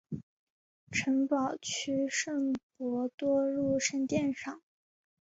城堡区圣伯多禄圣殿上。